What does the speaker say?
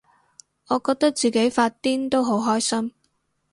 我覺得自己發癲都好開心